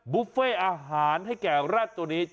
บุฟเฟ่อาหารให้แก่แร็ดตัวนี้